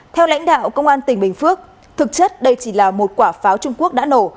theo lãnh đạo công an tỉnh bình phước thực chất đây chỉ là một quả pháo trung quốc đã nổ